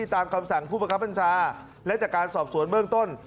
ตามคำสั่งผู้ประคับบัญชาและจากการสอบสวนเบื้องต้น